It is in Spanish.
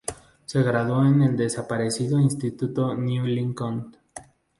Se graduó en el desaparecido Instituto New Lincoln.